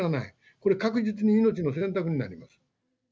これ、確実に命の選択になります。